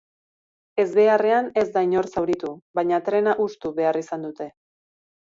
Ezbeharrean ez da inor zauritu, baina trena hustu behar izan dute.